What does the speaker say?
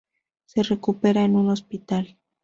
Se recupera en un hospital.